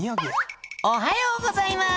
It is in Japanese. おはようございます！